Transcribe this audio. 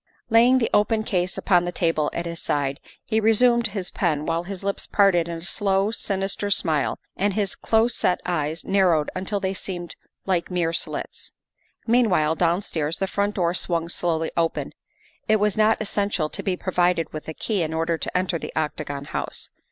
Laying the open case upon the table at his side, he resumed his pen while his lips parted in a slow, sinister smile and his close set eyes narrowed until they seemed like mere slits. Meanwhile downstairs the front door swung slowly open; it was not essential to be provided with a key in order to enter the Octagon House.